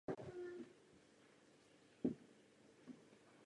Akademii absolvoval po třech letech a odjel na studijní cestu do Vídně a Německa.